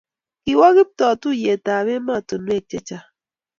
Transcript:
Kiwa Kiptoo tuiyet ab ematun wek chechang